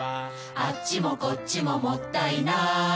「あっちもこっちももったいない」